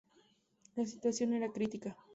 La situación era crítica.